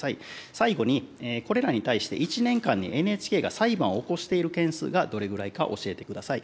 最後に、これらに対して１年間にＮＨＫが裁判を起こしている件数がどれぐらいか教えてください。